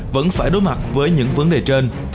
vẫn phải đối mặt với những vấn đề trên